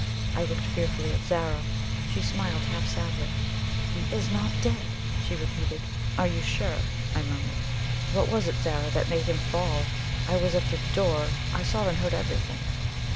I looked fearfully at Zara. She smiled half sadly. "He is not dead," she repeated. "Are you sure?" I murmured. "What was it, Zara, that made him fall? I was at the door I saw and heard everything."